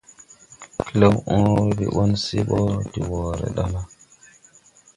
Klɛw õõbe ɓɔn se de wɔɔre ɗa la,